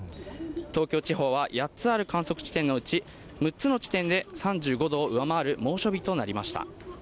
東京地方は８つある観測地点のうち、６つの地点で３５度を上回る猛暑日となりました。